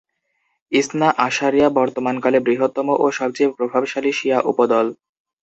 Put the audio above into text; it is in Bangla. ইসনা আশারিয়া বর্তমানকালে বৃহত্তম ও সবচেয়ে প্রভাবশালী শিয়া উপদল।